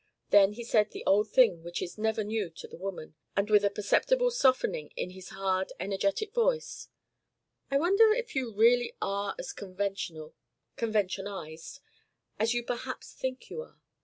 Then he said the old thing which is ever new to the woman, and with a perceptible softening in his hard energetic voice: "I wonder if you really are as conventional conventionised as you perhaps think you are?